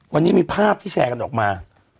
วันนี้มีภาพที่แชร์กันออกมา